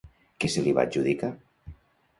Què se li va adjudicar?